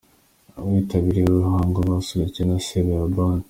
Abitabiriye uyu muhango basusurukijwe na Sebeya band,.